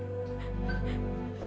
dia sudah berakhir